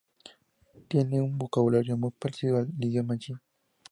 Tiene un vocabulario muy parecido al idioma yi.